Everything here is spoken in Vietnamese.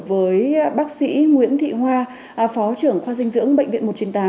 với bác sĩ nguyễn thị hoa phó trưởng khoa dinh dưỡng bệnh viện một trăm chín mươi tám